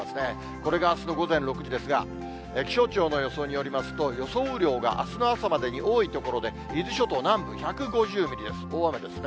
これがあすの午前６時ですが、気象庁の予想によりますと、予想雨量が、あすの朝までに多い所で、伊豆諸島南部１５０ミリです、大雨ですね。